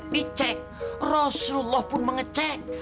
dicek rasulullah pun mengecek